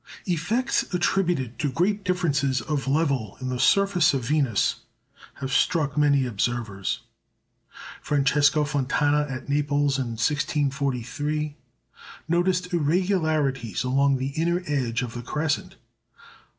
Effects attributed to great differences of level in the surface of Venus have struck many observers. Francesco Fontana at Naples in 1643 noticed irregularities along the inner edge of the crescent.